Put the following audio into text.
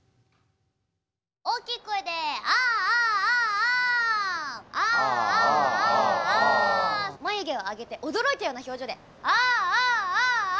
大きい声で「ああああ！」。「ああああ！」。眉毛を上げて驚いたような表情で「ああああ！」。